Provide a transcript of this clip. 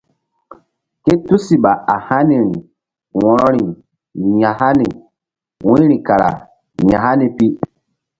Ké tusiɓa a haniri wo̧roi ƴo ya̧hani wu̧yri kara ya̧hani pi.